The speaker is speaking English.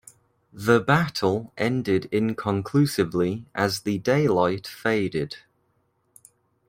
The battle ended inconclusively as the daylight faded.